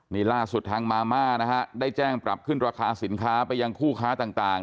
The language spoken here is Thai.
นี่ล่าสุดทางมาม่านะฮะได้แจ้งปรับขึ้นราคาสินค้าไปยังคู่ค้าต่าง